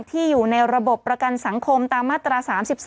อยู่ในระบบประกันสังคมตามมาตรา๓๒